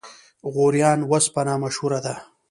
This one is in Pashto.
غوریان وسپنه مشهوره ده؟